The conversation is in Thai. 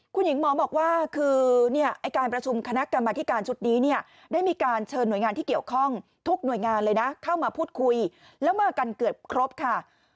คุณหญิงหมอบอกว่าคือการประชุมคณะกรรมธิการชุดนี้เนี่ยได้มีการเชิญหน่วยงานที่เกี่ยวข้องทุกหน่วยงานเลยนะเข้ามาพูดคุยแล้วมากันเกือบครบค่ะ